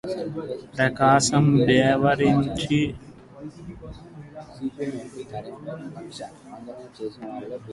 ప్రకాశం బ్యారేజిలోకి వరద పోటెత్తుతోంది